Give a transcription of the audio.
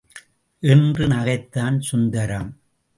என்று நகைத்தான் சுந்தரம்.